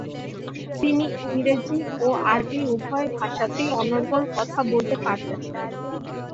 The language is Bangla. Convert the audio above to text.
তিনি ইংরেজি এবং আরবী উভয় ভাষাতেই অনর্গল কথা বলতে পারতেন ।